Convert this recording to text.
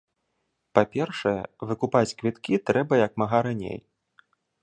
Па-першае, выкупаць квіткі трэба як мага раней.